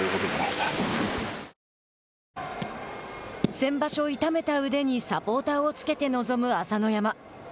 先場所痛めた腕にサポーターをつけて臨む朝乃山。